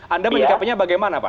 anda menikapinya bagaimana pak